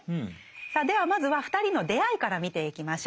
さあではまずは２人の出会いから見ていきましょう。